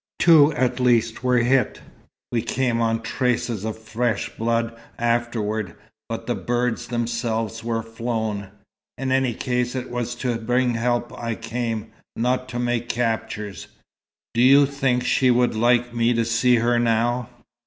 Two at least were hit. We came on traces of fresh blood afterward, but the birds themselves were flown. In any case, it was to bring help I came, not to make captures. Do you think she would like me to see her now?"